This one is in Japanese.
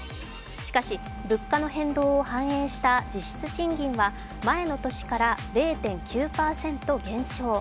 しかし、物価の変動を反映した実質賃金は前の年から０．９％減少。